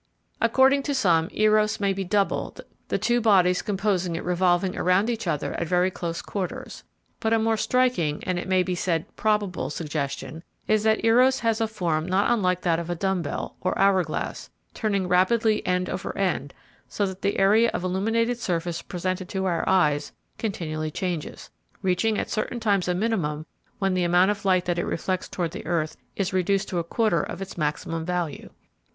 According to some, Eros may be double, the two bodies composing it revolving around each other at very close quarters; but a more striking, and it may be said probable, suggestion is that Eros has a form not unlike that of a dumb bell, or hour glass, turning rapidly end over end so that the area of illuminated surface presented to our eyes continually changes, reaching at certain times a minimum when the amount of light that it reflects toward the earth is reduced to a quarter of its maximum value.